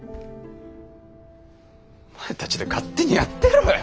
お前たちで勝手にやってろよ。